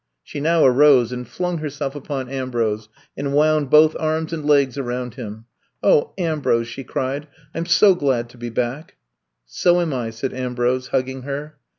She now arose and flung herself upon Ambrose and wound both arms and legs around him. Ambrose, '' she cried ; I 'm so glad to be back." So am I, " said Ananbrose, hugging her.